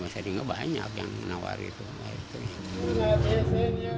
seringnya banyak yang nawar gitu